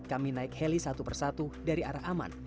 kami naik heli satu persatu dari arah aman